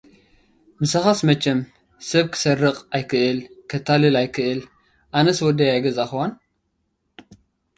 ምሳኻ መቸስ ሰብ ክሰርቕ ኣይክእል፣ ከታልል ኣይክእል ኣነስ ወደይ ኣይገዛእክዋን